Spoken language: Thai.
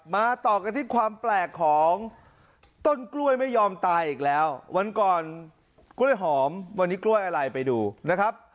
ต่อกันที่ความแปลกของต้นกล้วยไม่ยอมตายอีกแล้ววันก่อนกล้วยหอมวันนี้กล้วยอะไรไปดูนะครับ